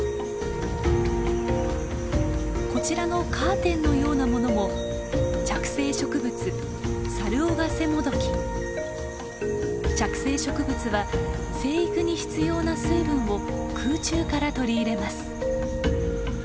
こちらのカーテンのようなものも着生植物着生植物は生育に必要な水分を空中から取り入れます。